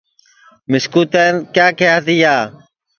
مِسکُو تئیں کیا کیہیا تیا